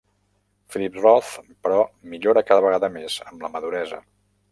Philip Roth, però, millora cada vegada més amb la maduresa.